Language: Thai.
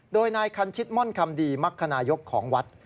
โดยนายคันชิดม่อนคำดีมักคณายกของวัด